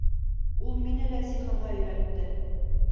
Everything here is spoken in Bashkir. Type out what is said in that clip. Ул мине лә сихырға өйрәтте.